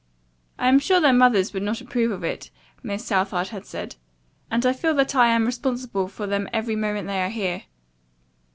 "I am sure their mothers would not approve of it," Miss Southard had said, "and I feel that I am responsible for them every moment they are here."